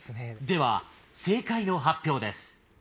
では正解の発表です。